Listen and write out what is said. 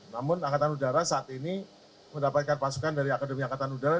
namun angkatan udara saat ini mendapatkan pasukan dari akademi angkatan udara